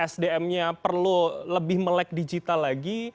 sdm nya perlu lebih melek digital lagi